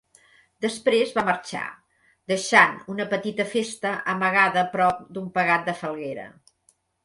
Després va marxar, deixant una petita festa amagada a prop d'un pegat de falguera.